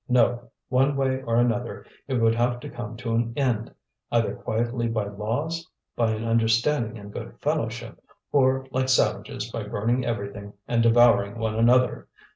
No! one way or another it would have to come to an end, either quietly by laws, by an understanding in good fellowship, or like savages by burning everything and devouring one another.